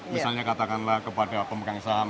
misalnya katakanlah kepada pemegang saham